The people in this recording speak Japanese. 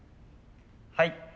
はい。